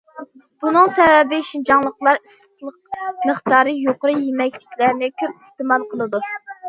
بۇنىڭ سەۋەبى شىنجاڭلىقلار ئىسسىقلىق مىقدارى يۇقىرى يېمەكلىكلەرنى كۆپ ئىستېمال قىلىدۇ.